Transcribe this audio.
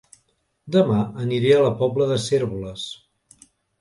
Dema aniré a La Pobla de Cérvoles